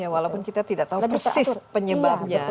walaupun kita tidak tahu persis penyebabnya